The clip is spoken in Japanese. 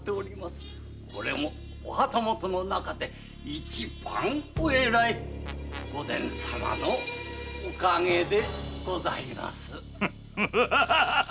これも御旗本の中で一番お偉い御前様のおかげでございます。